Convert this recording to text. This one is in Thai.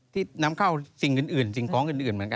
ที่นำเข้าสิ่งอื่นสิ่งของอื่นเหมือนกัน